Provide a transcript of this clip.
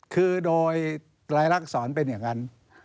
คือโดยรายลักษรเป็นอย่างนั้น